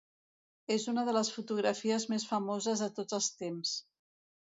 És una de les fotografies més famoses de tots els temps.